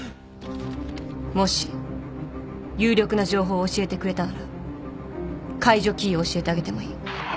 もし有力な情報を教えてくれたなら解除キーを教えてあげてもいい。